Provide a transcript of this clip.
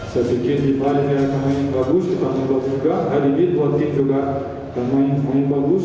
saya pikir di bali kita main bagus kita main bagus juga hari ini buat tim juga kita main bagus